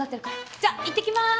じゃあいってきまーす！